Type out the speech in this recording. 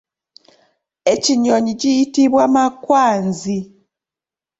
Ekinyonyi kiyitibwa makwanzi.